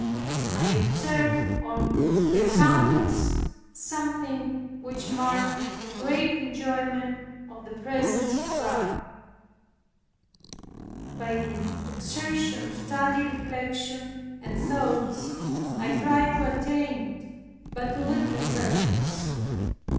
I observed on her countenance something which marked a great enjoyment of the presence of God. By the exertion of studied reflection and thoughts I tried to attain it but to little purpose.